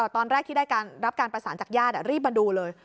ตอนแรกที่ได้รับการประสานจากญาติรีบมาดูเลย